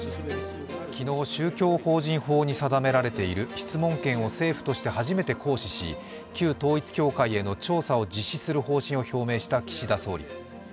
昨日、宗教法人法に定められている質問権を政府として初めて行使し旧統一教会への調査を実施する方針を表明した岸田総理。